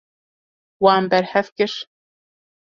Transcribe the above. Wan berhev kir.